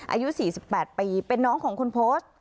อายุ๔๘ปีเป็นน้องของคนโพสต์